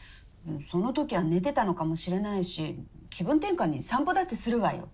その時は寝てたのかもしれないし気分転換に散歩だってするわよ。